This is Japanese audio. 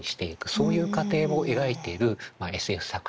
そういう過程を描いているＳＦ作品。